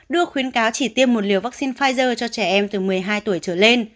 đưa khuyến cáo chỉ tiêm một liều vaccine pfizer cho trẻ em từ một mươi hai tuổi trở lên